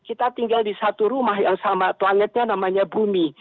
kita tinggal di satu rumah yang sama planetnya namanya bumi